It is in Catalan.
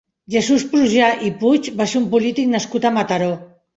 Jesús Prujà i Puig va ser un polític nascut a Mataró.